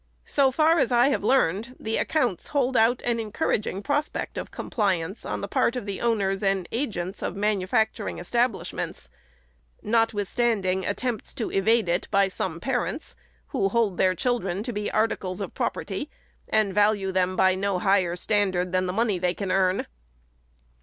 So far as I have learned, the accounts hold out an encouraging prospect of compli ance on the part of the owners and agents of manufactur FIRST ANNUAL REPORT. 429 ing establishments, notwithstanding attempts to evade it by some parents, who hold their children to be articles of property, and value them by no higher standard than the money they can earn.